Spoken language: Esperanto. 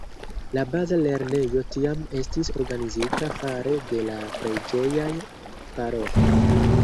La baza lernejo tiam estis organizita fare de la preĝejaj paroĥoj.